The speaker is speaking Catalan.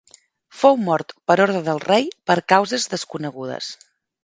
Fou mort per ordre del rei per causes desconegudes.